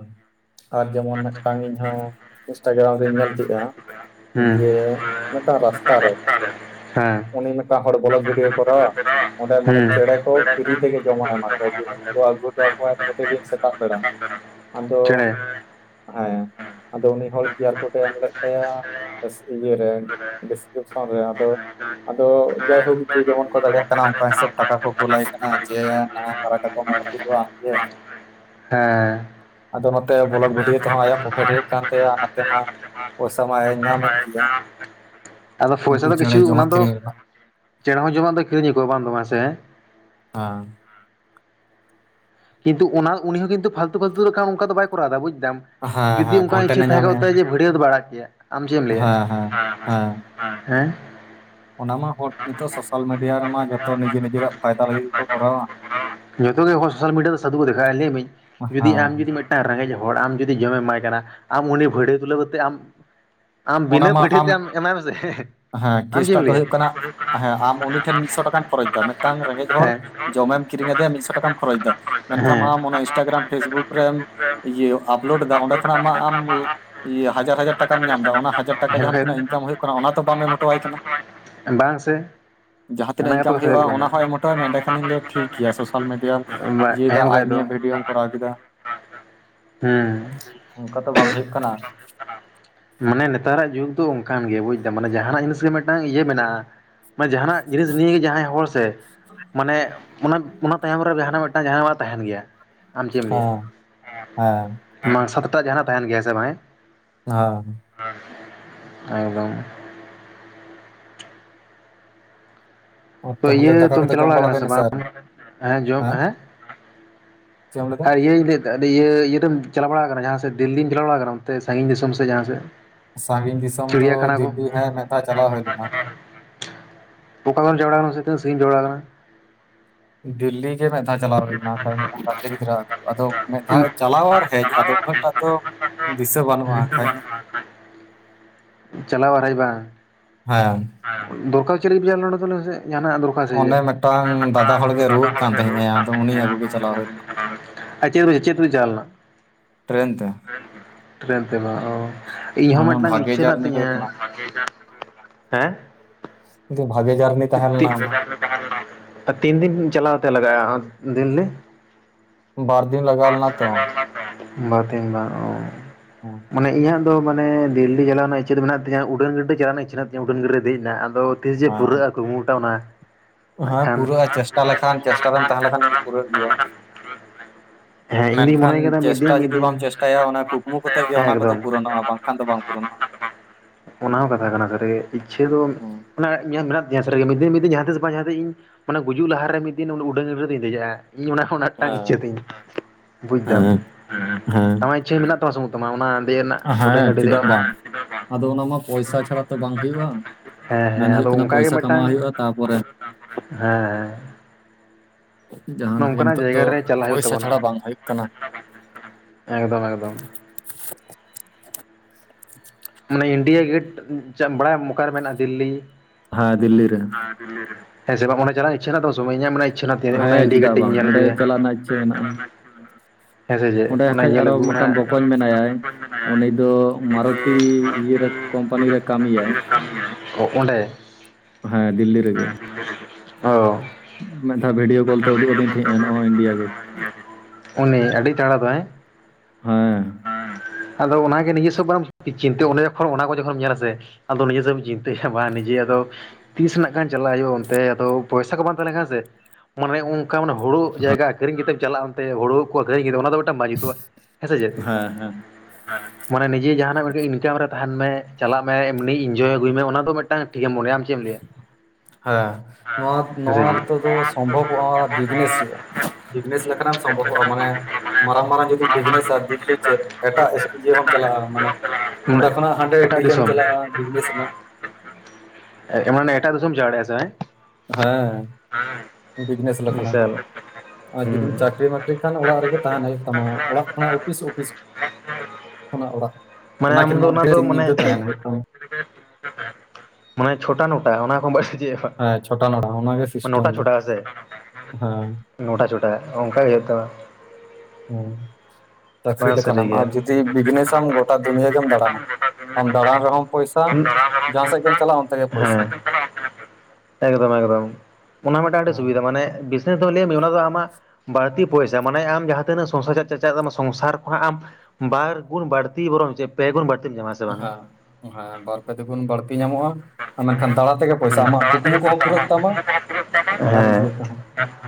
ᱟᱨ ᱢᱤᱜ ᱫᱷᱟᱣ [inaudible] ᱦᱩᱸ ᱡᱮ ᱢᱤᱫᱴᱟᱝ [inaudible] ᱨᱟᱥᱛᱟ ᱥᱮᱛᱟᱜ ᱨᱮ ᱥᱮᱛᱟᱜ ᱨᱮ᱾ ᱦᱮᱸ᱾ ᱩᱱᱤ ᱢᱤᱜᱴᱟᱝ ᱦᱚᱲ ᱵᱚᱞᱚᱠ ᱵᱷᱤᱰᱤᱭᱳ ᱠᱚᱨᱟᱣᱟ, ᱚᱸᱰᱮ ᱢᱟᱱᱮ ᱪᱮᱬᱮ ᱠᱚ ᱦᱮᱸ ᱯᱷᱤᱨᱤ ᱛᱮᱜᱮ ᱡᱚᱢᱟᱜ ᱮ ᱮᱢᱟ ᱠᱚᱣᱟ ᱜᱩᱦᱩᱢ ᱠᱚ, ᱟᱜᱩ ᱣᱟ ᱠᱚᱣᱟ ᱯᱨᱚᱛᱤ ᱫᱤᱱ ᱥᱮᱛᱟᱜ ᱵᱮᱲᱟ, ᱟᱫᱚ ᱪᱮᱬᱮ ᱦᱮᱸ ᱟᱫᱚ ᱩᱱᱤ ᱦᱚᱭ ᱠᱤᱭᱟᱨ ᱠᱳᱴᱮ ᱮᱢ ᱞᱮᱜ ᱛᱟᱭᱟ ᱤᱭᱟᱹ ᱨᱮ ᱰᱤᱥᱠᱨᱤᱯᱥᱚᱱ ᱨᱮ, ᱟᱫᱚ ᱟᱫᱚ ᱡᱟᱭᱦᱳᱠ ᱡᱮ ᱡᱮᱢᱚᱱ ᱠᱚ ᱫᱟᱲᱮᱭᱟᱜ ᱠᱟᱱᱟ ᱚᱱᱠᱟ ᱦᱤᱥᱟᱹᱵ ᱴᱟᱠᱟ ᱠᱚ ᱠᱩᱞᱟᱭ ᱠᱟᱱᱟ ᱡᱮ ᱥᱟᱨᱟᱠᱚ ᱢᱮ ᱦᱮᱸ [unintelligible] ᱱᱚᱛᱮ ᱵᱞᱚᱠ ᱵᱷᱤᱰᱭᱳ ᱛᱮᱦᱚᱸ ᱟᱭᱟᱜ ᱯᱨᱚᱯᱷᱤᱴ ᱦᱩᱭᱩᱜ ᱠᱟᱱ ᱛᱟᱭᱟ ᱱᱛᱮ ᱢᱟ ᱯᱚᱭᱥᱟ ᱢᱟ ᱧᱟᱢᱮᱫ ᱜᱮᱭᱟ᱾ ᱟᱫᱚ ᱯᱚᱭᱥᱟ ᱩᱱᱠᱩ ᱫᱚ ᱪᱮᱬᱮ ᱠᱤᱪᱷᱩ ᱚᱱᱟ ᱡᱚᱢᱟ ᱫᱚ ᱠᱤᱨᱤᱧ ᱨᱮᱱᱟᱜ ᱪᱮᱬᱮ ᱦᱚᱸ ᱡᱚᱢᱟᱜ ᱫᱚ ᱠᱤᱨᱤᱧ ᱟᱠᱚᱣᱟ ᱵᱟᱝ ᱫᱚ ᱵᱟᱝ ᱥᱮ? ᱦᱮᱸ, ᱠᱤᱱᱛᱩ ᱚᱱᱟ ᱩᱱᱤ ᱦᱚᱸ ᱠᱤᱱᱛᱩ ᱯᱟᱞᱛᱩ ᱯᱷᱟᱞᱛᱩᱟᱱ ᱚᱱᱠᱟ ᱫᱚ ᱵᱟᱭ ᱠᱚᱨᱟᱣ ᱫᱟ ᱵᱩᱡ ᱫᱟᱢ ᱦᱮᱸ ᱡᱩᱫᱤ ᱦᱮᱸ ᱚᱱᱠᱟ ᱤᱪᱪᱷᱟᱹ ᱠᱚᱱᱴᱮᱱᱴ ᱮ ᱛᱟᱦᱮᱸ ᱠᱚᱜ ᱧᱟᱢᱮᱫᱼᱟ ᱛᱟᱭᱟ ᱡᱮ ᱵᱷᱤᱰᱭᱟᱹᱣ ᱫᱚ ᱟᱲᱟᱜ ᱠᱮᱭᱟ ᱟᱢ ᱪᱮᱫ ᱮᱢ ᱞᱟᱹᱭᱟ ᱦᱮᱸ ᱦᱮᱸ ᱦᱮᱸ ᱦᱮᱸ? ᱚᱱᱟ ᱢᱟ ᱦᱚᱲ ᱱᱤᱛᱚᱜ ᱥᱳᱥᱟᱞ ᱢᱤᱰᱤᱭᱟ ᱨᱮᱢᱟ ᱡᱚᱛᱚ ᱱᱤᱡᱮ ᱱᱤᱡᱮᱨᱟᱜ ᱯᱷᱟᱭᱫᱟ ᱞᱟᱹᱜᱤᱫ ᱠᱚ ᱠᱚᱨᱟᱣᱟ᱾ ᱡᱚᱛᱚ ᱜᱮ ᱥᱳᱥᱟᱞ ᱢᱤᱰᱤᱭᱟ ᱨᱮ ᱥᱟᱫᱷᱩ ᱠᱚ ᱫᱮᱠᱷᱟ ᱞᱟᱹᱭᱟᱹᱧ ᱡᱩᱫᱤᱢ ᱦᱮᱸ ᱡᱩᱫᱤ ᱢᱤᱫᱴᱟᱝ ᱨᱮᱸᱜᱮᱡ ᱦᱚᱲ ᱟᱢ ᱡᱩᱫᱤ ᱡᱚᱢ ᱮᱢᱟᱭ ᱠᱟᱱᱟ ᱟᱢ ᱩᱱᱤ ᱵᱷᱟᱹᱰᱭᱟᱹ ᱛᱩᱞᱟᱹᱣ ᱠᱟᱛᱮᱜ ᱟᱢ ᱟᱢ ᱚᱱᱟ ᱵᱤᱱᱟᱹ ᱢᱟ ᱵᱷᱤᱰᱤᱭᱳ ᱟᱢ ᱛᱮ ᱮᱢᱟᱭ ᱢᱮ ᱥᱮ᱾ ᱦᱮᱸ ᱠᱮᱥᱴᱟᱜ ᱫᱚ ᱦᱩᱭᱩᱜ ᱠᱟᱱᱟ ᱦᱮᱸ ᱟᱢ ᱩᱱᱤ ᱴᱷᱮᱱ ᱢᱤᱫᱥᱚ ᱴᱟᱠᱟᱢ ᱠᱷᱚᱨᱚᱪ ᱮᱟ ᱢᱤᱫᱴᱟᱝ ᱨᱮᱸᱜᱮᱡ ᱦᱚᱲ ᱡᱚᱢᱮᱢ ᱠᱤᱨᱤᱧ ᱟᱫᱮᱭᱟ ᱢᱤᱫᱥᱚ ᱴᱟᱠᱟᱢ ᱠᱷᱚᱨᱚᱪ ᱫᱟ, ᱢᱮᱱᱠᱷᱟᱱ ᱟᱢ ᱚᱱᱟ ᱤᱱᱥᱴᱟᱜᱨᱟᱢ ᱯᱷᱮᱥᱵᱩᱠ ᱨᱮᱢ ᱤᱭᱟᱹ ᱟᱯᱞᱳᱰ ᱮᱫᱟ ᱚᱸᱰᱮ ᱠᱷᱚᱱᱟᱜ ᱢᱟ ᱟᱢ ᱤᱭᱟᱹ ᱦᱟᱡᱟᱨ ᱦᱟᱡᱟᱨ ᱴᱟᱠᱟᱢ ᱧᱟᱢ ᱮᱫᱟ ᱚᱱᱟ ᱦᱟᱡᱟᱨ ᱴᱟᱠᱟ ᱦᱮᱸ ᱡᱟᱦᱟᱸ ᱵᱟᱠᱷᱟᱡ ᱛᱤᱱᱟᱹᱜ ᱫᱚ ᱤᱱᱠᱟᱢ ᱦᱩᱭᱩᱜ ᱠᱟᱱᱟ ᱚᱱᱟ ᱛᱚ ᱵᱟᱢ ᱮᱢ ᱦᱚᱴᱚᱣᱟᱭ ᱠᱟᱱᱟ, ᱵᱟᱝ ᱥᱮ ᱡᱟᱦᱟᱸ ᱚᱱᱟ ᱛᱤᱱᱟᱹᱜ ᱜᱮᱛᱚ ᱤᱱᱠᱟᱢ ᱠᱟᱛᱷᱟ ᱦᱩᱭᱩᱜᱼᱟ ᱦᱩᱭᱩᱜ ᱠᱟᱱᱟ ᱚᱱᱟ ᱦᱚᱸ ᱮᱢ ᱦᱚᱴᱚᱟᱭ ᱢᱮ ᱰᱮ ᱠᱷᱟᱱᱤ ᱤᱧ ᱞᱟᱹᱭ ᱟ ᱴᱷᱤᱠ ᱜᱮᱭᱟ, ᱥᱳᱥᱟᱞ ᱢᱤᱰᱤᱭᱟᱢ ᱤᱭᱟᱹᱭᱮᱫᱟ ᱦᱮᱸ ᱟᱡ ᱵᱟᱠᱷᱟᱡ ᱫᱚ ᱱᱤᱭ ᱵᱷᱤᱰᱤᱭᱳᱢ ᱠᱚᱨᱟᱣ ᱠᱮᱫᱟ, ᱦᱮᱸ᱾ ᱚᱱᱠᱟ ᱛᱚ ᱵᱟᱝ ᱦᱩᱭᱩᱜ ᱠᱟᱱᱟ, ᱢᱟᱱᱮ ᱱᱮᱛᱟᱨᱟᱜ ᱡᱩᱜᱽ ᱫᱚ ᱚᱱᱠᱟᱱ ᱜᱮ ᱵᱩᱡᱫᱟᱟᱢ ᱢᱟᱱᱮ ᱡᱟᱦᱟᱱᱟᱜ ᱡᱤᱱᱤᱥ ᱜᱮ ᱢᱤᱫᱴᱟᱝ ᱤᱭᱟᱹ ᱢᱮᱱᱟᱜᱼᱟ, ᱢᱟᱱᱮ ᱡᱟᱦᱟᱸᱱᱟᱜ ᱡᱤᱱᱤᱥ ᱱᱤᱭᱮ ᱡᱟᱦᱟᱸᱭ ᱦᱚᱲ ᱥᱮ ᱢᱟᱱᱮ ᱚᱱᱟ ᱛᱟᱭᱚᱢ ᱨᱮ ᱦᱮᱸ ᱢᱟ ᱛᱟᱦᱮᱱ ᱜᱮᱭᱟ ᱟᱢ ᱪᱮᱫ ᱮᱢ ᱞᱟᱹᱭᱟ ᱦᱮᱸ ᱥᱟᱛᱴᱟᱜ ᱡᱟᱦᱟᱱᱟᱜ ᱛᱟᱦᱮᱱ ᱜᱮᱭᱟ ᱥᱮ ᱵᱟᱝ? ᱦᱚ, ᱮᱠᱫᱚᱢ᱾ ᱛᱚ ᱛᱟᱦᱚᱞᱮ ᱤᱭᱟᱹ ᱫᱟᱠᱟ ᱛᱚᱢ ᱠᱚᱫᱚ ᱪᱟᱞᱟᱣ ᱡᱚᱢ ᱵᱟᱲᱟ ᱟᱠᱟᱱᱟ ᱥᱮ ᱦᱩᱭᱱᱟ ᱵᱟᱝ? ᱟᱹᱣᱨᱤ ᱦᱮᱸ ᱡᱚᱢ ᱦᱮᱸ? ᱪᱮᱫ ᱮᱢ ᱞᱟᱹᱭ ᱮᱫᱟ ᱟᱨ ᱤᱭᱟᱹᱧ ᱞᱟᱹᱭᱫᱟ ᱤᱭᱟᱹ ᱤᱭᱟᱹ ᱫᱚᱢ ᱪᱟᱞᱟᱣ ᱵᱟᱲᱟ ᱟᱠᱟᱱᱟ ᱡᱟᱦᱟᱸᱥᱮᱫ ᱫᱤᱞᱞᱤᱢ ᱪᱟᱞᱟ ᱵᱟᱲᱟ ᱟᱠᱟᱱᱟ ᱚᱱᱛᱮ ᱥᱟᱺᱤᱧ ᱫᱤᱥᱚᱢ ᱥᱮ ᱡᱟᱦᱟᱸ ᱥᱮᱫ? ᱥᱟᱺᱜᱤᱧ ᱫᱤᱥᱚᱢ ᱫᱚ ᱪᱤᱲᱤᱭᱟ ᱠᱷᱟᱱᱟ ᱠᱚ ᱫᱤᱞᱞᱤ ᱦᱮᱸ ᱢᱮ ᱫᱷᱟᱣ ᱪᱟᱞᱟᱣ ᱦᱩᱭ ᱞᱮᱱᱟ ᱚᱠᱟ ᱠᱚᱢ ᱪᱟᱞᱟᱣ ᱵᱟᱲᱟ ᱟᱠᱟᱱᱟ ᱡᱮ ᱥᱤᱱ ᱛᱤᱱᱟᱹᱜ ᱥᱟᱜᱤᱧ ᱪᱟᱞᱟᱣ ᱵᱟᱲᱟ ᱠᱟᱱᱟ? ᱫᱤᱞᱞᱤ ᱮ ᱢᱮᱫ ᱫᱷᱟᱣ ᱪᱟᱞᱟᱣ ᱦᱩᱭ ᱞᱮᱱᱟ ᱠᱷᱟᱱ ᱢᱤᱫᱴᱟᱝ ᱜᱟᱛᱮ ᱜᱤᱫᱽᱨᱟᱹ ᱟᱹᱜᱩ ᱟᱫᱚ ᱢᱮᱫᱷᱟ ᱠᱟᱱᱟ ᱪᱟᱞᱟᱣ ᱟᱨ ᱦᱮᱡ ᱟᱫᱚ ᱩᱱᱟᱹᱜ ᱴᱟᱜ ᱫᱚ ᱫᱤᱥᱟᱹ ᱵᱟᱹᱱᱩᱜᱼᱟ ᱟᱠᱷᱟᱡ᱾ ᱪᱟᱞᱟᱣ ᱟᱨ ᱦᱮᱡ ᱵᱟᱝ ᱦᱮᱸ ᱫᱚᱨᱠᱟᱨ ᱫᱚ ᱪᱮᱫ ᱞᱟᱜᱤᱫ ᱵᱤᱱ ᱪᱟᱞᱟᱣ ᱞᱮᱱᱟ ᱫᱚᱨᱠᱟᱨ [unintelligible] ᱚᱱᱮ ᱢᱤᱫᱴᱟᱝ ᱚᱰᱮ ᱫᱟᱫᱟ ᱢᱤᱫᱴᱟᱝ ᱦᱚᱲᱜᱮ ᱫᱟᱫᱟ ᱨᱩᱣᱟᱹᱜ ᱦᱚᱲ ᱠᱟᱱ ᱮ ᱛᱟᱦᱮᱸᱜᱼᱟᱭ ᱨᱩᱣᱟᱹᱜ ᱠᱟᱱ ᱟᱫᱚ ᱩᱱᱤ ᱛᱟᱦᱮᱱ ᱟᱹᱜᱩ ᱟᱫᱚ ᱜᱮ ᱩᱱᱤ ᱪᱟᱞᱟᱣ ᱦᱩᱭ ᱟᱜᱩ ᱞᱮᱱᱟ ᱜᱮᱞᱮ ᱪᱟᱞᱟᱣ ᱞᱮᱱᱟ᱾ ᱟᱪ [unintelligible] ᱪᱮᱫ ᱪᱮᱫ ᱛᱮᱵᱤᱱ ᱪᱟᱣ ᱞᱮᱱᱟ? ᱴᱨᱮᱱ ᱛᱮ ᱴᱨᱮᱱ ᱛᱮᱢᱟ ᱚ ᱤᱧ ᱦᱚᱸ ᱦᱮᱸ ᱢᱤᱫᱴᱟᱝ ᱵᱷᱟᱜᱮ ᱤᱪᱪᱷᱟᱹ ᱢᱮᱱᱟᱜ ᱦᱮᱱᱟᱜ ᱡᱟᱨᱱᱤ ᱦᱩᱭ ᱛᱤᱧᱟᱹ ᱞᱮᱱᱟ [unintelligible] ᱦᱮᱸ ᱵᱷᱟᱜᱤ ᱡᱟᱨᱱᱤ ᱛᱟᱦᱮᱸ ᱛᱤ ᱞᱮᱱᱟ ᱚᱱᱟ [unintelligible] ᱛᱤᱱ ᱫᱤᱱ ᱪᱟᱞᱟᱣ ᱛᱮ ᱞᱟᱜᱟ-ᱟ ᱫᱤᱞᱞᱤ? ᱵᱟᱨ ᱫᱤᱱ ᱞᱟᱜᱟᱣ ᱞᱮᱱᱟ ᱛᱚ [inaudible] ᱵᱟᱨ ᱫᱤᱱ ᱵᱟᱝ ᱚ ᱢᱟᱱᱮ ᱤᱧᱟᱹᱜ ᱫᱚ ᱢᱟᱱᱮ ᱫᱤᱞᱞᱤ ᱪᱞᱟᱣ ᱨᱮᱱᱟᱜ ᱤᱪᱪᱷᱟᱹ ᱫᱚ ᱢᱮᱱᱟᱜ ᱛᱤᱧᱟ ᱩᱰᱟᱹᱱ ᱜᱟᱹᱰᱤ ᱪᱞᱟᱣ ᱨᱮᱱᱟᱜ ᱤᱪᱪᱷᱟᱹ ᱢᱮᱱᱟᱜ ᱛᱤᱧᱟ ᱩᱰᱟᱹᱱ ᱜᱟᱹᱰᱤ ᱨᱮ ᱫᱮᱡ ᱨᱮᱱᱟᱜ ᱟᱫᱚ ᱛᱤᱥ ᱡᱮ ᱦᱮᱸ ᱯᱩᱨᱟᱹᱜᱼᱟ ᱠᱩᱠᱢᱩᱴᱟᱜ ᱚᱱᱟ, ᱱᱟᱜ ᱦᱮᱸ ᱠᱷᱟᱱ ᱯᱩᱨᱟᱹᱜᱼᱟ ᱪᱮᱥᱴᱟ ᱞᱮᱠᱷᱟᱱ ᱪᱮᱥᱴᱟ ᱨᱮᱢ ᱛᱞᱮᱠᱷᱟᱱ ᱯᱩᱨᱟᱹᱜ ᱜᱮᱭᱟ᱾ ᱦᱮᱸ ᱤᱧ ᱫᱩᱧ ᱢᱮᱱᱠᱷᱟᱱ ᱢᱚᱱᱮ ᱠᱟᱫᱟ ᱢᱤᱫ ᱪᱮᱥᱴᱟ ᱫᱤᱱ ᱢᱤᱫ ᱡᱩᱫᱤ ᱫᱤᱱ ᱵᱟᱢ ᱪᱮᱥᱴᱟᱭᱟ ᱚᱱᱟ ᱠᱩᱠᱢᱩ ᱠᱚ ᱠᱟᱛᱮ ᱜᱮ ᱦᱮᱸ ᱚᱱᱟ ᱠᱚᱫᱚ ᱮᱠᱫᱚᱢ ᱯᱩᱨᱚᱱᱚᱜᱼᱟ ᱵᱟᱝ ᱠᱷᱟᱱ ᱫᱚ ᱵᱟᱝ ᱯᱩᱨᱚᱱᱚᱜᱼᱟ᱾ ᱚᱱᱟ ᱦᱚᱸ ᱠᱟᱛᱷᱟ ᱠᱟᱱᱟ ᱥᱟᱨᱤᱜᱮ ᱤᱪᱪᱷᱟᱹ ᱫᱚ ᱦᱮᱸ ᱚᱱᱟ ᱤᱧᱟᱹᱝ ᱢᱮᱱᱟᱜ ᱛᱤᱧᱟᱹ ᱥᱟᱨᱤᱜᱮ ᱢᱤᱫ ᱫᱤᱱ ᱢᱤᱫ ᱫᱤᱱ ᱡᱟᱦᱟᱸ ᱛᱤᱥ ᱵᱟᱝ ᱡᱟᱦᱟᱸᱛᱤᱥ ᱤᱧ ᱚᱱᱟ ᱜᱩᱡᱩᱜ ᱞᱟᱦᱟᱨᱮ ᱢᱤᱫ ᱫᱤᱱ ᱩᱰᱟᱹᱱ ᱜᱟᱰᱤ ᱨᱮᱫᱩᱧ ᱫᱮᱡᱟᱜᱼᱟ᱾ ᱤᱧ ᱚᱱᱟ ᱚᱱᱟ ᱢᱤᱫᱴᱟᱝ ᱤᱪᱪᱷᱟᱹ ᱦᱮᱸ ᱛᱤᱧ ᱵᱩᱡ ᱫᱟᱢ ᱦᱮᱸ ᱦᱮᱸ ᱟᱢᱟᱜ ᱤᱪᱪᱷᱟᱹ ᱢᱮᱱᱟᱜ ᱛᱟᱢᱟ ᱥᱮ ᱱᱩᱜ ᱛᱟᱢᱟ ᱚᱱᱟ ᱫᱮᱡ ᱨᱮᱱᱟᱜ ᱩᱰᱟᱹᱟᱹᱱ ᱦᱮᱸ ᱜᱟᱹᱰᱤ ᱫᱮᱡ ᱪᱮᱫᱟᱜ ᱵᱟᱝ ᱨᱮᱱᱟᱜ? ᱟᱫᱚ ᱚᱱᱟ ᱢᱟ ᱯᱚᱭᱥᱟ ᱪᱷᱟᱲᱟ ᱛᱚ ᱵᱟᱝ ᱦᱩᱭᱩᱜᱼᱟ [unintelligible] ᱦᱮᱸ ᱦᱮᱸ ᱢᱮᱱ ᱦᱩᱭᱩᱜ ᱟᱫᱚ ᱠᱟᱱᱟ ᱚᱱᱠᱟ ᱜᱮ ᱯᱚᱭᱥᱟ ᱢᱤᱫ ᱠᱟᱢᱟᱣ ᱦᱩᱭᱩᱜᱼᱟ ᱛᱟᱯᱚᱨᱮ ᱦᱮᱸ ᱦᱮᱸ ᱡᱟᱦᱱᱟᱜ ᱜᱮ ᱚᱱᱠᱟᱱᱟᱜ ᱱᱤᱛᱚᱜ ᱫᱚ ᱡᱟᱭᱜᱟ ᱨᱮ ᱪᱟᱞᱟᱜ ᱦᱩᱭᱩᱜ ᱯᱚᱭᱥᱟ ᱛᱟᱵᱚᱱᱟ ᱪᱷᱟᱲᱟ ᱵᱟᱝ ᱦᱩᱭᱩᱜ ᱠᱟᱱᱟ ᱮᱠᱫᱚᱢ ᱮᱠᱫᱚᱢ ᱢᱟᱱᱮ ᱤᱱᱰᱤᱭᱟ ᱜᱮᱴ ᱪᱮ ᱟᱢ ᱵᱟᱲᱟᱭᱟᱢ ᱚᱠᱟᱨᱮ ᱢᱮᱱᱟᱜᱼᱟ ᱫᱤᱞᱞᱤ ᱦᱮᱸ ᱫᱤᱞᱞᱤ ᱨᱮ ᱦᱮᱸ ᱥᱮ ᱵᱟᱝ ᱚᱸᱰᱮ ᱪᱟᱞᱟᱜ ᱤᱪᱪᱷᱟᱹ ᱢᱮᱱᱟᱜ ᱛᱟᱢᱟ ᱥᱮᱵᱟᱝ ᱤᱧᱟᱹᱜ ᱢᱟᱱᱮ ᱪᱪᱷᱟᱹ ᱢᱮᱱᱟᱜ ᱛᱤᱧᱟ ᱚᱱᱟ ᱦᱮᱸ ᱤᱱᱰᱤᱭᱟ ᱪᱮᱫᱟᱜ ᱜᱮᱴᱤᱧ ᱵᱟᱝ ᱧᱮᱞ ᱚᱸᱰᱮ ᱟᱹᱜᱩᱭᱟ ᱪᱟᱞᱟᱜ ᱨᱮᱱᱟᱜ ᱤᱪᱪᱷᱟᱹ ᱢᱮᱱᱟᱜᱼᱟ ᱦᱮᱸ ᱥᱮ ᱪᱮᱫ ᱚᱸᱰᱮ ᱚᱱᱟ ᱦᱟᱸᱠᱷᱟᱱᱡ ᱧᱮᱞ ᱟᱨᱚ ᱟᱹᱜᱩ ᱚᱱᱟ ᱢᱤᱫᱴᱟᱝ ᱵᱚᱠᱚᱧ ᱢᱮᱱᱟᱭᱟᱭ ᱩᱱᱤ ᱫᱚ ᱢᱟᱨᱳᱛᱤ ᱤᱭᱟᱹ ᱨᱮ ᱠᱚᱢᱯᱟᱱᱤ ᱨᱟ ᱠᱟᱹᱢᱤᱭᱟᱭ ᱚᱸᱰᱮ [unintelligible] ᱦᱮᱸ ᱫᱤᱞᱞᱤ ᱢᱮᱜ-ᱫᱫᱷᱟᱣ ᱵᱷᱤᱰᱭᱳ ᱠᱚᱞᱛᱮ ᱩᱫᱩᱜ ᱟᱹᱫᱧ ᱛᱟᱦᱮᱸᱜ-ᱟ ᱱᱚᱜᱼᱚᱭ ᱤᱱᱰᱤᱭᱟ ᱜᱮᱴ ᱩᱱᱤ ᱟᱹᱰᱤ ᱛᱟᱬᱟ ᱛᱟᱭ ᱦᱮᱸ ᱟᱫᱚ ᱚᱱᱟᱜᱮ ᱱᱤᱡᱮᱥᱚᱵ ᱵᱟᱢ ᱪᱤᱱᱛᱟᱹᱜ ᱚᱱᱮ ᱡᱷᱚᱱ ᱚᱱᱟᱠᱚ ᱡᱚᱠᱷᱚᱱᱮᱢ ᱧᱮᱞᱟ ᱥᱮ ᱟᱫᱚ ᱱᱤᱡᱮᱥᱮᱢ ᱪᱤᱱᱛᱟᱹᱭᱟ ᱵᱟᱝ ᱱᱤᱡᱮ ᱟᱫᱚ ᱛᱤᱥ ᱱᱟᱜ ᱠᱷᱟᱱ ᱪᱟᱞᱟᱜ ᱦᱩᱭᱩᱜᱼᱟ ᱚᱱᱛᱮ ᱟᱫᱚ ᱯᱚᱭᱥᱟ ᱠᱚ ᱵᱟᱝ ᱛᱟᱸᱦᱮᱸ ᱞᱮᱱᱠᱷᱟᱱ ᱥᱮ ᱢᱟᱱᱮ ᱚᱱᱠᱟ ᱢᱟᱱᱮ ᱦᱩᱲᱩ ᱡᱟᱭᱜᱟ ᱟᱠᱷᱨᱤᱧ ᱠᱟᱛᱮᱢ ᱪᱟᱞᱟᱜ-ᱟ ᱚᱱᱛᱮ ᱦᱩᱲᱩ ᱠᱚ ᱟᱹᱠᱷᱨᱤᱧ ᱠᱟᱛᱮ ᱚᱱᱟ ᱫᱚ ᱢᱤᱫᱴᱟᱝ ᱵᱟᱝ ᱡᱩᱛᱩᱜᱼᱟ ᱦᱮᱸᱥᱮ ᱪᱮᱫ ᱦᱮᱸ ᱦᱮᱸ ᱢᱟᱱᱮ ᱱᱤᱡᱮ ᱡᱟᱦᱱᱟᱜ ᱢᱮᱫᱴᱤᱡ ᱤᱱᱠᱟᱢ ᱨᱮ ᱛᱟᱦᱮᱱ ᱢᱮ ᱪᱟᱞᱟᱜ ᱢᱮ ᱮᱢᱱᱤ ᱤᱱᱡᱚᱭ ᱟᱹᱜᱩᱭ ᱢᱮ ᱚᱱᱟ ᱫᱚ ᱢᱤᱫᱴᱟᱝ ᱴᱷᱤᱠᱮᱢ ᱢᱚᱱᱮᱭᱟ ᱟᱢ ᱪᱮᱫ ᱮᱢ ᱞᱟᱹᱭᱟ ᱦᱮᱸ ᱱᱚᱣᱟ ᱦᱮᱸ ᱥᱮ ᱱᱚᱣᱟ ᱪᱮᱫ? ᱛᱮ ᱫᱚ ᱥᱚᱢᱵᱷᱚᱵᱚᱜᱼᱟ ᱵᱤᱜᱽᱱᱮᱥ ᱦᱩᱭᱩᱜ-ᱟ ᱵᱤᱡᱽᱱᱮᱥ ᱞᱮᱠᱟᱱᱟᱜᱢ ᱥᱚᱢᱵᱷᱚᱵᱚᱜᱼᱟ ᱢᱟᱱᱮ ᱢᱟᱨᱟᱝ ᱢᱟᱨᱟᱝ ᱡᱩᱫᱤᱢ ᱵᱤᱡᱽᱱᱮᱥᱟ ᱫᱤᱞᱞᱤ ᱪᱮᱫ ᱮᱴᱟᱜ ᱤᱭᱟᱹ ᱦᱚᱢ ᱪᱟᱞᱟᱜᱼᱟ ᱢᱟᱱᱮ ᱢᱟᱱᱮ ᱱᱚᱰᱮ ᱠᱷᱚᱱᱟᱜ ᱦᱟᱸᱰᱮ ᱰᱤᱞᱮᱢ ᱪᱟᱞᱟᱜᱼᱟ ᱵᱤᱡᱽᱱᱮᱥ ᱨᱮᱱᱟᱜ ᱮᱢᱟᱱᱮ ᱮᱴᱟᱜ ᱫᱤᱥᱚᱢ ᱢᱮᱢ ᱪᱟᱞᱟᱣ ᱫᱟᱬᱮ ᱮᱥ ᱦᱮᱸ ᱵᱤᱜᱽᱱᱮᱥ ᱞᱮᱠᱷᱟᱱᱮᱢ ᱵᱤᱥᱟᱞ ᱟᱨ ᱦᱩᱸ ᱡᱩᱫᱤᱢ ᱪᱟᱹᱠᱨᱤ ᱢᱟ ᱠᱷᱟᱱ ᱚᱲᱟᱜ ᱨᱮᱜᱮ ᱛᱟᱦᱮᱱ ᱦᱩᱭᱩᱜ ᱛᱟᱢᱟ ᱚᱲᱟᱜ ᱠᱷᱚᱱᱟᱜ ᱩᱯᱤᱥ ᱩᱯᱤᱥ ᱠᱷᱚᱱᱟᱜ ᱚᱲᱟᱜ ᱢᱟᱱᱮ ᱚᱱᱟᱠᱤᱱ ᱟᱢ ᱫᱚ ᱚᱱᱟ ᱢᱚᱫᱽᱫᱷᱮ ᱫᱚ ᱥᱤᱧ ᱢᱟᱱᱮ ᱧᱤᱫᱟᱹ ᱛᱟᱦᱮᱱ ᱦᱩᱭᱩᱜ ᱛᱟᱢᱟ ᱢᱟᱱᱮ ᱪᱷᱳᱴᱟ ᱱᱚᱴᱟ ᱚᱱᱟ ᱠᱚ [inaudible] ᱪᱮᱫ ᱦᱚᱸ ᱦᱮᱸ ᱪᱷᱚᱴᱟ ᱱᱚᱴᱟ ᱚᱱᱟᱜᱮ ᱵᱟᱝ ᱥᱤᱥᱴᱮᱢ ᱱᱚᱴᱟ ᱫᱚ ᱪᱷᱚᱴᱟ ᱥᱮ ᱦᱮᱸ ᱱᱚᱴᱟ ᱪᱷᱚᱴᱟ ᱚᱱᱠᱟᱜᱮ ᱡᱷᱚᱛᱚ ᱦᱮᱸ ᱪᱟᱠᱨᱤ ᱞᱮᱠᱟᱱᱟᱜᱢ ᱟᱨ ᱡᱩᱫᱤ ᱵᱤᱡᱽᱱᱮᱥᱟᱢ ᱜᱚ ᱜᱚᱴᱟ ᱫᱩᱱᱭᱟᱹ ᱜᱮᱢ ᱫᱟᱬᱟᱱᱟ ᱟᱢ ᱫᱟᱬᱟᱱ ᱨᱮᱦᱚᱸᱢ ᱯᱚᱭᱥᱟ ᱦᱮᱸ ᱡᱟᱦᱟᱸ ᱥᱮᱫ ᱜᱮᱢ ᱪᱟᱞᱟᱜᱼᱟ ᱚᱱᱛᱮ ᱜᱮ ᱯᱚᱭᱥᱟ [inaudible] ᱮᱠᱫᱚᱢ ᱮᱠᱫᱚᱢ ᱚᱱᱟ ᱢᱤᱫᱴᱟᱝ ᱟᱰᱤ ᱦᱮᱸ ᱥᱩᱵᱤᱫᱷᱟ ᱢᱟᱱᱮ ᱵᱤᱥ ᱞᱟᱹᱭᱟ ᱢᱤᱭᱟᱹᱧ ᱚᱱᱟ ᱫᱚ ᱟᱢᱟᱜ ᱵᱟᱹᱲᱛᱤ ᱯᱚᱭᱥᱟ ᱢᱟᱱᱮ ᱟᱢ ᱡᱟᱦᱟᱸ ᱛᱤᱱᱟᱹᱜ ᱥᱚᱝᱥᱟᱨ ᱪᱟ ᱪᱟᱞᱟᱜ ᱛᱟᱢᱟ ᱥᱚᱝᱥᱟᱨ ᱠᱷᱚᱱᱟᱜ ᱟᱢ ᱵᱟᱨ ᱜᱩᱱ ᱵᱟᱲᱛᱤ ᱵᱚᱨᱚᱝ ᱪᱮᱫ ᱯᱮ ᱜᱩᱱ ᱵᱟᱲᱛᱤ ᱦᱮᱸ ᱦᱮᱸ ᱵᱟᱨ ᱯᱮ ᱫᱮᱜᱩᱱ ᱵᱟᱹᱲᱛᱤ ᱧᱟᱢᱚᱜᱼᱟ ᱢᱮᱱᱠᱷᱟᱱ ᱫᱟ ᱛᱮᱜᱮ ᱯᱚᱭᱥᱟ ᱟᱢᱟᱜ ᱠᱩᱠᱢᱩ ᱠᱚᱦᱚᱸ ᱯᱩᱨᱟᱹᱜ ᱛᱟᱢᱟ ᱟᱨ ᱤᱭᱟᱹ ᱦᱮᱸ ᱛᱮᱦᱚᱸ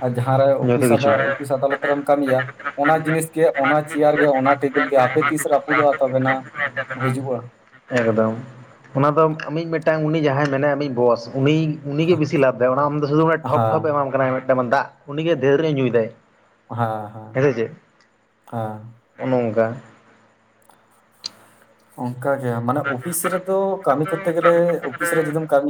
ᱟᱨ ᱡᱟᱦᱟᱸᱨᱮ ᱡᱚᱛᱚ ᱚᱯᱷᱤᱥ ᱟᱫᱚ ᱠᱤᱪᱷᱩ ᱚᱯᱷᱤᱥ ᱟᱫᱚᱞᱟᱛ ᱨᱮᱢ ᱠᱟᱹᱢᱤᱭᱟ ᱚᱱᱟ ᱡᱤᱱᱤᱥ ᱜᱮ ᱚᱱᱟ ᱪᱮᱭᱟᱹᱨ ᱜᱮ ᱚᱱᱟ ᱵᱤᱞ ᱜᱮ ᱟᱯᱮ ᱛᱤᱥ ᱨᱟᱹᱯᱩᱫᱚᱜᱼᱟ ᱛᱚᱵᱮᱱᱟᱜ ᱮᱠᱫᱚᱢ ᱚᱱᱟ ᱫᱚ ᱟᱢᱤᱡᱽ ᱢᱤᱫᱴᱟᱝ ᱩᱱᱤ ᱡᱟᱦᱟᱸᱭ ᱢᱮᱱᱟᱭᱟ ᱟᱢᱤᱡᱽ ᱵᱚᱥ ᱩᱱᱤ ᱩᱱᱤᱜᱮ ᱵᱮᱥᱤ ᱞᱟᱵᱽ ᱫᱟᱭ ᱚᱱᱟ ᱟᱢ ᱫᱚ ᱥᱩᱫᱷᱩᱟᱱᱮ ᱴᱷᱚᱯ ᱴᱚᱯᱮ ᱦᱮᱸ ᱮᱢᱟᱢ ᱠᱟᱱᱟ ᱢᱤᱫᱴᱟ, ᱫᱟᱜ ᱩᱱᱤᱜᱮ ᱫᱷᱟᱹᱨ ᱨᱮ ᱧᱩᱭᱫᱟᱭ ᱦᱮᱸ ᱦᱮᱸ ᱦᱮᱸ ᱜᱮ ᱱᱚᱝᱠᱟ ᱚᱱᱠᱟ ᱜᱮ ᱢᱟᱱᱮ ᱚᱯᱷᱤᱥ ᱨᱮᱫᱚ ᱠᱟᱹᱢᱤ ᱠᱚᱨᱛᱮ ᱜᱮᱞᱮ ᱚᱯᱷᱤᱥ ᱨᱮ ᱡᱩᱫᱤᱢ ᱠᱟᱹᱢᱤ